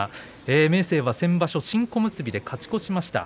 明生は先場所、新小結で勝ち越しました。